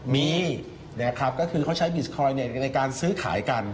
มีนะครับก็คือเขาใช้บิสคอยเน็ตในการซื้อขายกัน